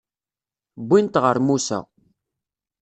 Wwin-t ɣer Musa.